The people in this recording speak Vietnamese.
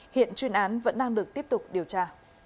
hiện chuyên án vẫn đang được tiếp tục điều tra